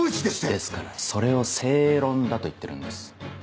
ですからそれを正論だと言ってるんです。